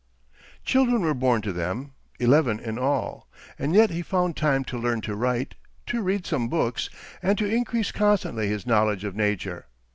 Children were born to them, eleven in all, and yet he found time to learn to write, to read some books, and to increase constantly his knowledge of nature.